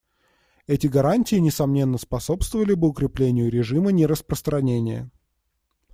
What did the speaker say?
Эти гарантии, несомненно, способствовали бы укреплению режима нераспространения.